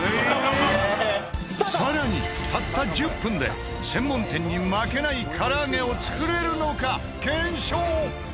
更にたった１０分で専門店に負けない唐揚げを作れるのか検証！